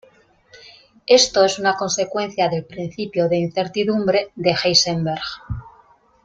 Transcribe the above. Esto es una consecuencia del principio de incertidumbre de Heisenberg.